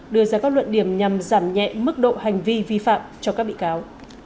đưa ra các luận điểm nhằm giảm nhẹ mức độ hành vi vi phạm cho các bị cáo